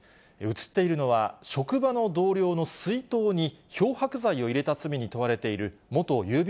写っているのは、職場の同僚の水筒に漂白剤を入れた罪に問われている元郵便